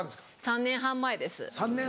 ３年半前です。